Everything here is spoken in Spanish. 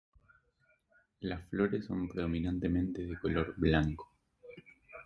Las flores son predominantemente de color blanco.